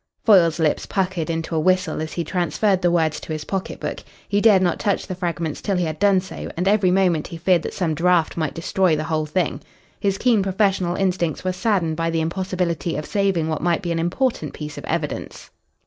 Foyle's lips puckered into a whistle as he transferred the words to his pocket book. He dared not touch the fragments till he had done so, and every moment he feared that some draught might destroy the whole thing. His keen professional instincts were saddened by the impossibility of saving what might be an important piece of evidence.